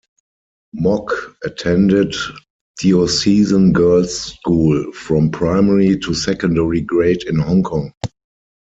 Mok attended Diocesan Girls' School from primary to secondary grade in Hong Kong.